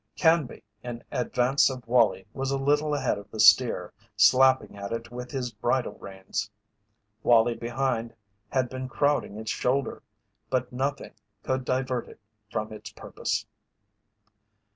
Canby in advance of Wallie was a little ahead of the steer, slapping at it with his bridle reins, Wallie behind had been crowding its shoulder. But nothing could divert it from its purpose.